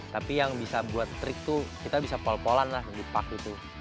tapi yang bisa buat trik tuh kita bisa pol polan lah di park itu